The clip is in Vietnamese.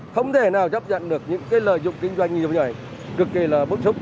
không thể nào chấp nhận được những lợi dụng kinh doanh như vậy cực kỳ là bức xúc